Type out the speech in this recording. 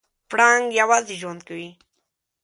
پړانګ یوازې ژوند کوي.